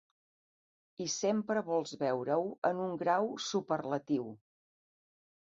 I sempre vols veure-ho en un grau superlatiu.